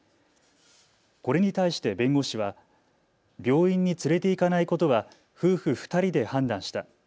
これに対して弁護士は病院に連れて行かないことは夫婦２人で判断した。